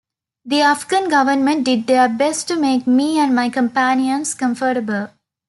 The Afghan government did their best to make me and my companions comfortable.